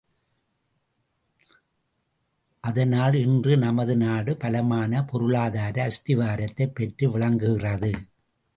அதனால், இன்று நமது நாடு பலமான பொருளாதார அஸ்திவாரத்தைப் பெற்று விளங்குகிறது.